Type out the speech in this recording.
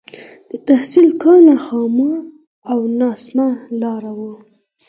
د تحصيل کاڼه خامه او ناسمه لاره وه.